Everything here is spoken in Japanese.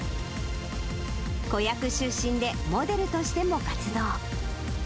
子役出身で、モデルとしても活動。